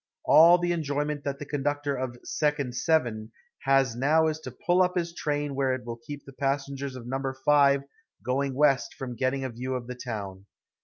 All the enjoyment that the conductor of "Second Seven" has now is to pull up his train where it will keep the passengers of No. 5 going west from getting a view of the town.